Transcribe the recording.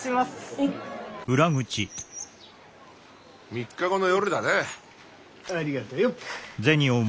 ３日後の夜だな。ありがとよ。